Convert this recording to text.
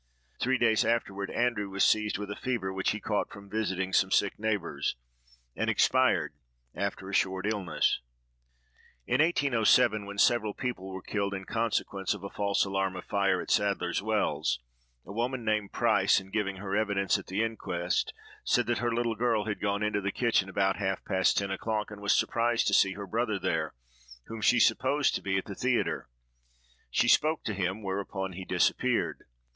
Three days afterward, Andrew was seized with a fever which he had caught from visiting some sick neighbors, and expired after a short illness. In 1807, when several people were killed in consequence of a false alarm of fire, at Sadler's Wells, a woman named Price, in giving her evidence at the inquest, said that her little girl had gone into the kitchen about half past ten o'clock, and was surprised to see her brother there, whom she supposed to be at the theatre. She spoke to him, whereupon he disappeared.